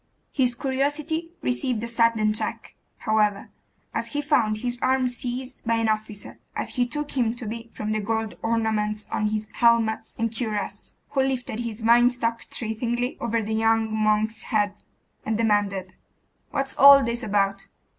His curiosity received a sudden check, however, as he found his arm seized by an officer, as he took him to be, from the gold ornaments on his helmet and cuirass, who lifted his vine stock threateningly over the young monk's head, and demanded 'What's all this about?